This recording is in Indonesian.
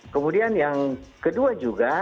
kemudian yang kedua juga